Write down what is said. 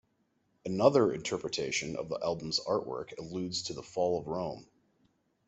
Another interpretation of the album's artwork alludes to the fall of Rome.